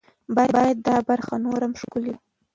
باید دا برخه نوره هم ښکلې کړو.